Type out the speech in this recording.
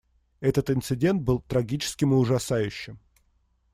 Этот инцидент был трагическим и ужасающим.